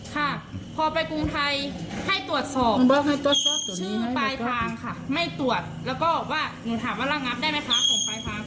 ค่ะพอไปกรุงไทยให้ตรวจสอบชื่อปลายทางค่ะไม่ตรวจแล้วก็ว่าหนูถามว่าระงับได้ไหมคะส่งปลายทาง